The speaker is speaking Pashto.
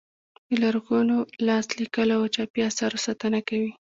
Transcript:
د لرغونو لاس لیکلو او چاپي اثارو ساتنه کوي.